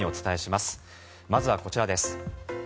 まずはこちらです。